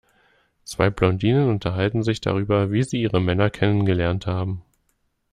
Zwei Blondinen unterhalten sich darüber, wie sie ihre Männer kennengelernt haben.